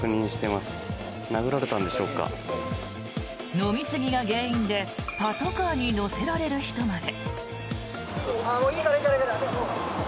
飲みすぎが原因でパトカーに乗せられる人まで。